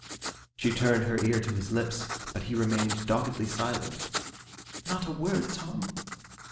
She turned her ear to his lips, but he remained doggedly silent. 'Not a word, Tom?